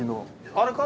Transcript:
あれか？